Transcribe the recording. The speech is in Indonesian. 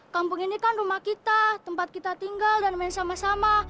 kampung ini kan rumah kita tempat kita tinggal dan main sama sama